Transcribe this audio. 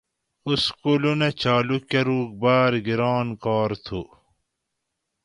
اسکولوناں چالو کۤروگ باۤر گِران کار تھُو